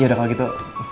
iya udah kalau gitu